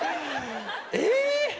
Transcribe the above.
え！